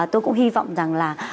tôi cũng hy vọng rằng là